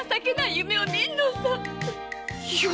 夢？